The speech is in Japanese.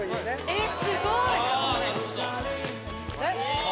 ・えっすごい・ねっ？